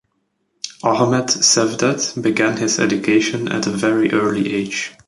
Ahmed Cevdet began his education at a very early age.